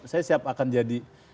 saya siap akan jadi